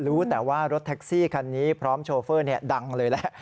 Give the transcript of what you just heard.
รู้แต่ว่ารถแท็กซี่คันนี้พร้อมโชเฟอร์ดังเลยแหละ